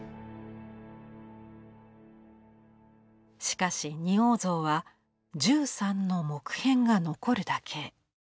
しかし仁王像は１３の木片が残るだけ。